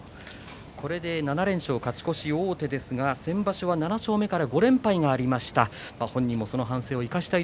これで７連勝勝ち越しに王手ですが先場所は７勝目から５連敗がありました。